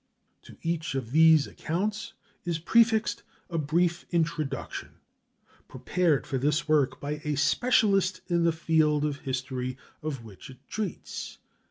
To each of these accounts is prefixed a brief introduction, prepared for this work by a specialist in the field of history of which it treats.